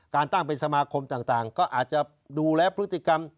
การตั้งเป็นสมาคมต่างก็อาจจะดูแลพฤติกรรม